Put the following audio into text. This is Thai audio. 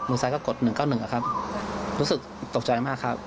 ซ้ายก็กด๑๙๑ครับรู้สึกตกใจมากครับ